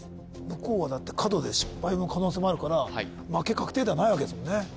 向こうはだって角で失敗の可能性もあるから負け確定ではないわけですもんね